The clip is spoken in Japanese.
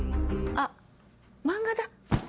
あっ漫画だ。